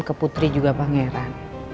ke putri juga pangeran